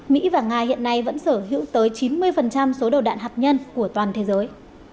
mỹ và nga hiện nay vẫn sở hữu tới chín mươi số đầu đạn hạt nhân của toàn thế giới